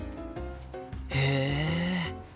へえ！